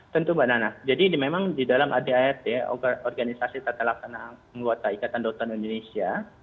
tentu mbak nana jadi memang di dalam adart organisasi tata laksana anggota ikatan dokter indonesia